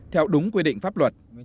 theo đúng quy định pháp luật